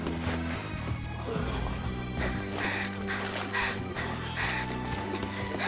ハァハァ。